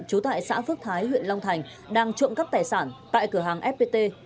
trú tại xã phước thái huyện long thành đang trộm cắp tài sản tại cửa hàng fpt